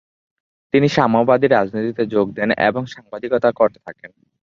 তিনি সাম্যবাদী রাজনীতিতে যোগ দেন এবং সাংবাদিকতা করতে থাকেন।